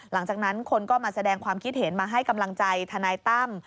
หลังจากนั้นคนก็มาแสดงความคิดเห็นมาให้กำลังใจทนายตั้ม